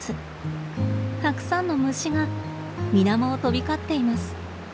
たくさんの虫が水面を飛び交っています。